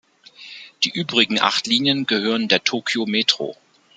Die übrigen acht Linien gehören der Tokyo Metro.